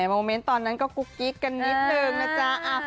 โมเมนต์ตอนนั้นก็กุ๊กกิ๊กกันนิดนึงนะจ๊ะ